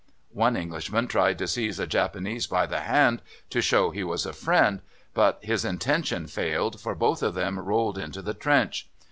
One Englishman tried to seize a Japanese by the hand to show he was a friend, but his intention failed, for both of them rolled into the trench.